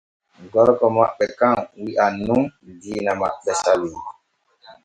Gorko maɓɓe kan wi’an nun diina maɓɓe salii.